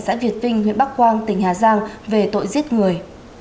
xã việt vinh huyện bắc quang tỉnh hà giang về tội giết người